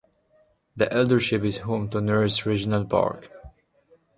The eldership is home to Neris Regional Park.